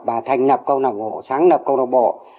bà ấy thành lập công đồng hộ sáng lập công đồng bộ